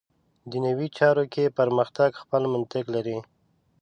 دنیوي چارو کې پرمختګ خپل منطق لري.